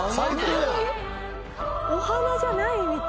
お花じゃないみたい。